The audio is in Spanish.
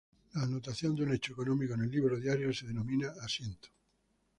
La anotación de un hecho económico en el libro diario se denomina "asiento".